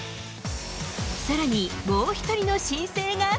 さらに、もう１人の新星が。